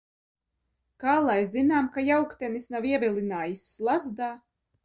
Kā lai zinām, ka jauktenis nav ievilinājis slazdā?